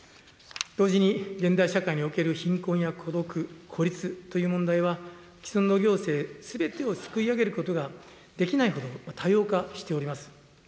同時に、現代社会における貧困や孤独、孤立という問題は、既存の行政ですべてをすくい上げることができないほど多様化しております。